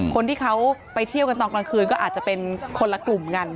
คนที่เขาไปเที่ยวกันตอนกลางคืนก็อาจจะเป็นคนละกลุ่มกัน